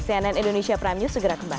cnn indonesia prime news segera kembali